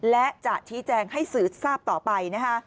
และจะที่แจงให้สืบทราบต่อไป